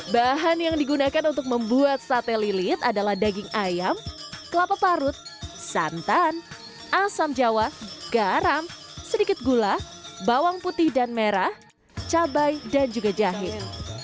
bahan yang digunakan untuk membuat sate lilit adalah daging ayam kelapa parut santan asam jawa garam sedikit gula bawang putih dan merah cabai dan juga jahit